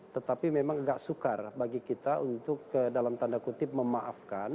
tetapi memang agak sukar bagi kita untuk dalam tanda kutip memaafkan